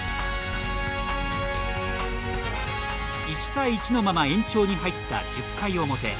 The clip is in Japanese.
１対１のまま延長に入った１０回表。